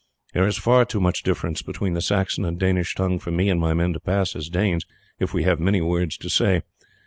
There is far too much difference between the Saxon and Danish tongue for me and my men to pass as Danes if we have many words to say.